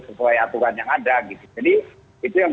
sesuai aturan yang ada gitu